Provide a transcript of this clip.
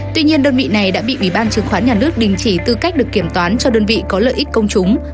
tuy nhiên đơn vị này đã bị ủy ban chứng khoán nhà nước đình chỉ tư cách được kiểm toán cho đơn vị có lợi ích công chúng